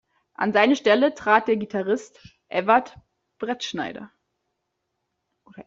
An seine Stelle trat der Gitarrist Evert Brettschneider.